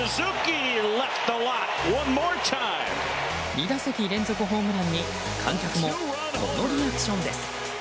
２打席連続ホームランに観客もこのリアクションです。